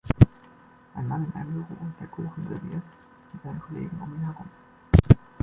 Ein Mann in einem Büro, der Kuchen serviert, mit seinen Kollegen um ihn herum.